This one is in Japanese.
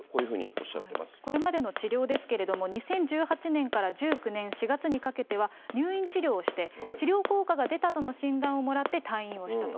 これまでの治療ですけれども、２０１８年から１９年４月にかけては入院治療をして、治療効果が出たとの診断をもらって退院をしたと。